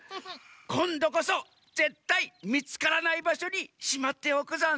こんどこそぜったいみつからないばしょにしまっておくざんす。